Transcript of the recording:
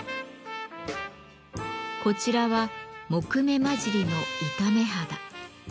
こちらは杢目交じりの板目肌。